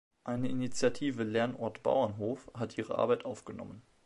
Eine Initiative „Lernort Bauernhof“ hat ihre Arbeit aufgenommen.